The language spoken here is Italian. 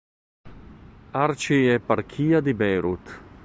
Arcieparchia di Beirut